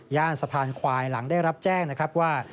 สะพานควายหลังได้รับแจ้งนะครับว่า